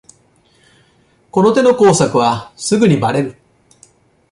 この手の工作はすぐにバレる